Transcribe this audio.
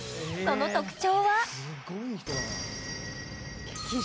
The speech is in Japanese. その特徴は。